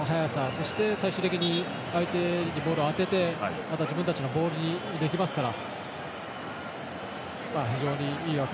そして、最終的に相手にボールを当ててあとは自分たちのボールにできますから。